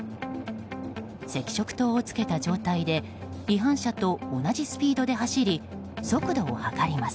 赤色灯をつけた状態で違反車と同じスピードで走り速度を測ります。